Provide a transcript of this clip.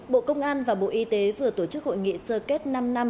bộ công an và bộ y tế vừa tổ chức hội nghị sơ kết năm năm